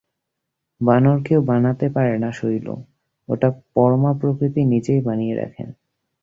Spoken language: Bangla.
বানর কেউ বানাতে পারে না শৈল, ওটা পরমা প্রকৃতি নিজেই বানিয়ে রাখেন।